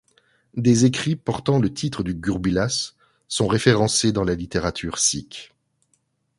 Des écrits portant le titre du gurbilas sont référencés dans la littérature sikhe.